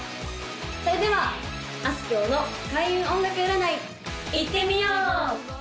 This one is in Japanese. それではあすきょうの開運音楽占いいってみよう！